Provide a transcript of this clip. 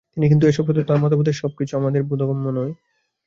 কিন্তু এ-সব সত্ত্বেও তাঁর মতবাদের সবকিছু আমার বোধগম্য নয়।